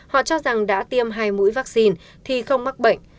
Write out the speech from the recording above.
họ cho rằng đã tiêm hai mũi vaccine thì không mắc bệnh